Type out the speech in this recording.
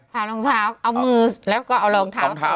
รองเท้าเอามือแล้วก็เอารองเท้า